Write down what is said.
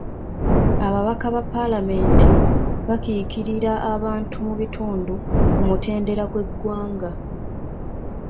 Ababaka ba palamenti bakiikirira abantu mu bitundu ku mutendera gw'eggwanga.